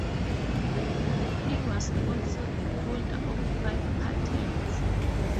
He was also the holder of five patents.